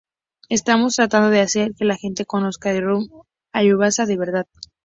Estamos tratando de hacer que la gente conozca al Ryu Hayabusa de verdad.